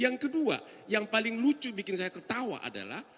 yang kedua yang paling lucu bikin saya ketawa adalah